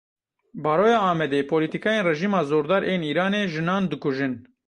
Baroya Amedê: Polîtîkayên rejîma zordar ên Îranê jinan dikujin.